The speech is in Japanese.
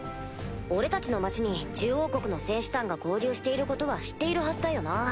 俺たちの町に獣王国の戦士団が合流していることは知っているはずだよな。